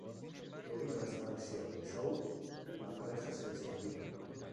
Debido a esta lesión de Show, la pareja se disolvió.